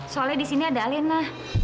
soalnya disini ada alena